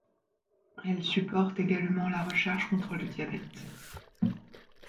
Elle supporte également la recherche contre le diabète.